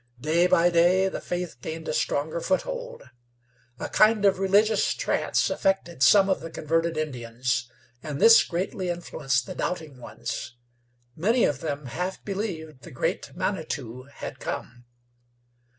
Day by day the faith gained a stronger foothold. A kind of religious trance affected some of the converted Indians, and this greatly influenced the doubting ones. Many of them half believed the Great Manitou had come.